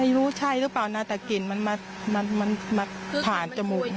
ไม่รู้ใช่หรือเปล่านะแต่กลิ่นมันมาผ่านจมูก